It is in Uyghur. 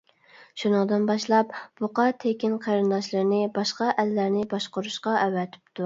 شۇنىڭدىن باشلاپ بۇقا تېكىن قېرىنداشلىرىنى باشقا ئەللەرنى باشقۇرۇشقا ئەۋەتىپتۇ.